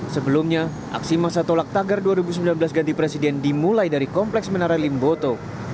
sebelumnya aksi masa tolak tagar dua ribu sembilan belas ganti presiden dimulai dari kompleks menara limboto